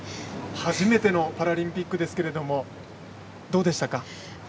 初めてのパラリンピックですがどうでしたか。